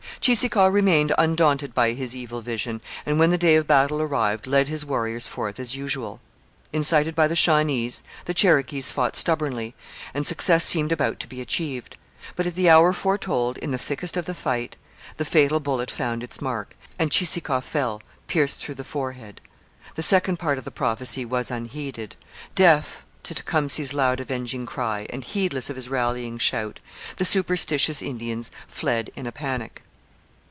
Cheeseekau remained undaunted by his evil vision, and when the day of battle arrived led his warriors forth as usual. Incited by the Shawnees, the Cherokees fought stubbornly, and success seemed about to be achieved. But at the hour foretold, in the thickest of the fight, the fatal bullet found its mark, and Cheeseekau fell pierced through the forehead. The second part of the prophecy was unheeded. Deaf to Tecumseh's loud avenging cry, and heedless of his rallying shout, the superstitious Indians fled in a panic.